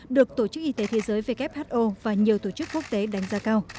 được tổ chức y tế thế giới who và nhiều tổ chức quốc tế đánh giá cao